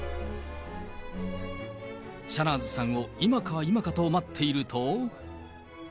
シャナーズさんを今か今かと待っていると。